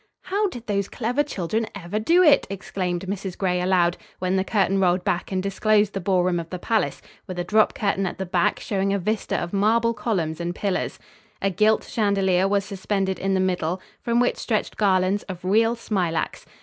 "How did those clever children ever do it?" exclaimed Mrs. Gray, aloud, when the curtain rolled back and disclosed the ballroom of the palace, with a drop curtain at the back showing a vista of marble columns and pillars. A gilt chandelier was suspended in the middle, from which stretched garlands of real smilax.